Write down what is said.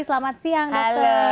selamat siang dokter